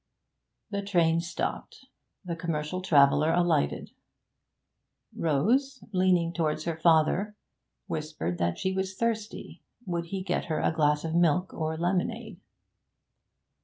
The train stopped. The commercial traveller alighted. Rose, leaning towards her father, whispered that she was thirsty; would he get her a glass of milk or of lemonade?